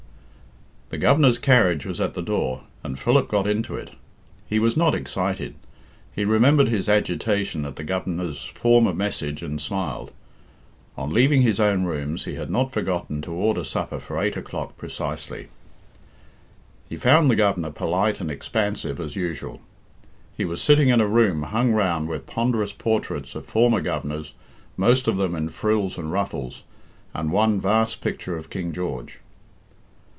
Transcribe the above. The Governor's carriage was at the door, and Philip got into it. He was not excited; he remembered his agitation at the Governor's former message and smiled. On leaving his own rooms he had not forgotten to order supper for eight o'clock precisely. He found the Governor polite and expansive as usual. He was sitting in a room hung round with ponderous portraits of former Governors, most of them in frills and ruffles, and one vast picture of King George.